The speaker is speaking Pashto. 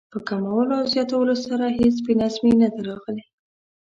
په کمولو او زیاتولو سره هېڅ بې نظمي نه ده راغلې.